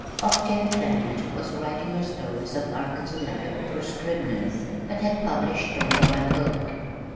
"Octave Thanet" was writing her stories of Arkansas life for Scribners but had published only one book.